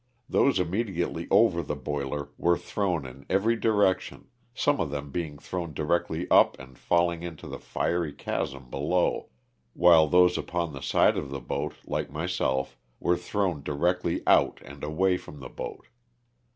Those immediately over the boiler were thrown in every direction, some of them being thrown directly up and falling into the fiery chasm below, while those upon the side of the boat, like myself, were thrown directly out and away from the boat.